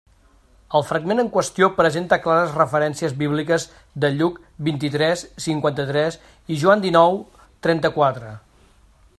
El fragment en qüestió presenta clares referències bíbliques de Lluc vint-i-tres, cinquanta-tres i Joan dinou, trenta-quatre.